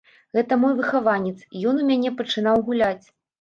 Гэта мой выхаванец, ён у мяне пачынаў гуляць.